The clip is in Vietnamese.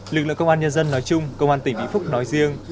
lực lượng công an nhân dân nói chung công an tỉnh vĩnh phúc nói riêng